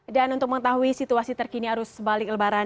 dan untuk mengetahui situasi terkini arus balik lebaran